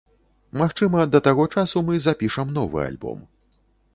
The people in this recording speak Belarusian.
Магчыма, да таго часу мы запішам новы альбом.